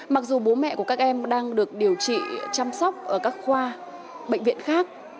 mặc dù bố mẹ của các em đang được điều trị chăm sóc ở các khoa bệnh viện khác